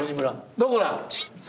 どこだ？